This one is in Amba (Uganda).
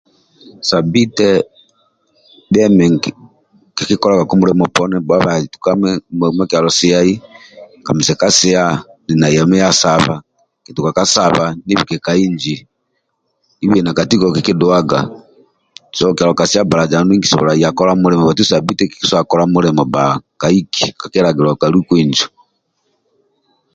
Sabbite bhia emi kikikolagaku mulimo poni bhuaibe uma uma kyalo siai ka mesia kasi nili na yami ka saba kituka ka saba nibike ka inji na katiko kikiduaga so kyalo kasia bbalaza andulu ndie nkisobolaga ya kola mulimo bbaitu sabbite bba kaiki ka kilagilo ka liku injo